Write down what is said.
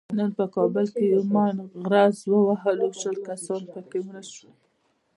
نن په کابل کې یوه ماین غرز وهلو شل کسان پکې مړه شول.